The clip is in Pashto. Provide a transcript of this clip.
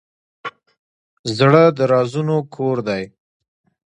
زړه د رازونو کور دی.